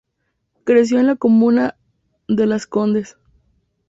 Creció en la comuna de Las Condes.